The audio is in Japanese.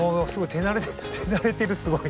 手慣れてるすごい。